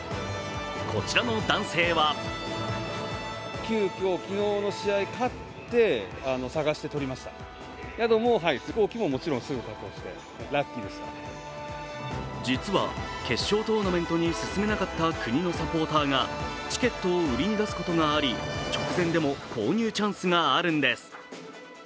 こちらの男性は実は決勝トーナメントに進めなかった国のサポーターがチケットを売りに出すことがあり直前でも購入チャンスがあるんです。